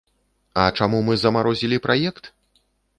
А чаму мы замарозілі праект?